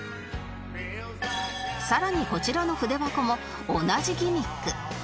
さらにこちらの筆箱も同じギミック